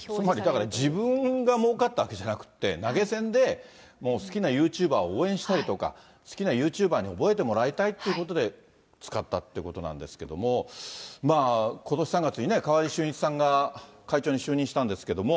つまりだから、自分がもうかったわけじゃなくて投げ銭でもう好きなユーチューバーを応援したりとか、好きなユーチューバーに覚えてもらいたいということで使ったといことし３月にね、川合俊一さんが会長に就任したんですけれども。